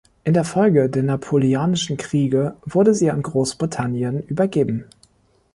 In der Folge der napoleonischen Kriege wurde sie an Großbritannien übergeben.